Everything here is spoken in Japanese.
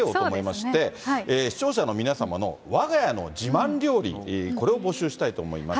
視聴者の皆様のわがやの自慢料理、これを募集したいと思います。